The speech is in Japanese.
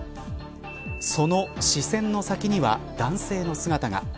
その視線の先には男性の姿が。